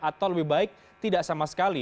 atau lebih baik tidak sama sekali